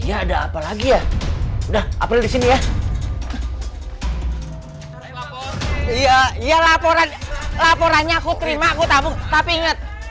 ya ada apalagi ya udah apel di sini ya ya ya laporan laporan nya aku terima aku tapi inget